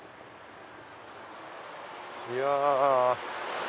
いや。